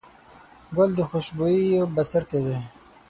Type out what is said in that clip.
ګل د خوشبويي بڅرکی دی.